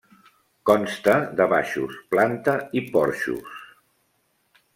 Consta de baixos, planta i porxos.